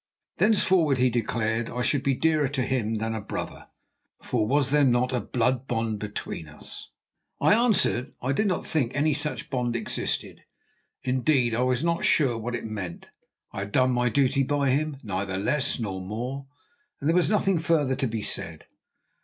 Thenceforward, he declared, I should be dearer to him than a brother, for was there not a blood bond between us? I answered I did not think any such bond existed; indeed, I was not sure what it meant. I had done my duty by him, neither less nor more, and there was nothing further to be said.